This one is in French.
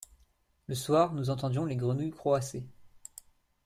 Le soir nous entendions les grenouilles croasser.